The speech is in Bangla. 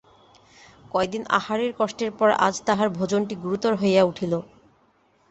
কয়দিন আহারের কষ্টের পর আজ তাহার ভোজনটি গুরুতর হইয়া উঠিল।